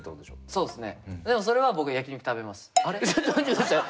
そうですね。